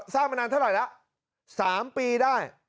สร้างมานานเท่าไหร่ละ๓ปีได้